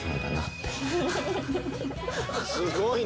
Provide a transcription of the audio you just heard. すごいね！